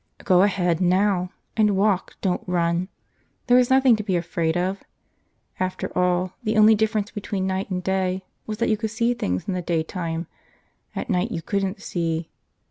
Go ahead, now! And walk, don't run. There was nothing to be afraid of. After all, the only difference between night and day was that you could see things in the daytime. At night you couldn't see